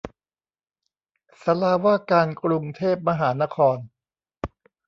ศาลาว่าการกรุงเทพมหานคร